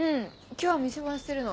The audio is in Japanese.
今日は店番してるの。